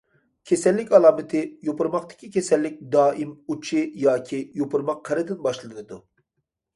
كېسەللىك ئالامىتى، يوپۇرماقتىكى كېسەللىك دائىم ئۇچى ياكى يوپۇرماق قىرىدىن باشلىنىدۇ.